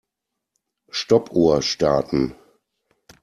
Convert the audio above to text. Stoppuhr starten.